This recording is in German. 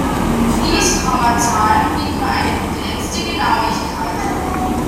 Fließkommazahlen bieten nur eine begrenzte Genauigkeit.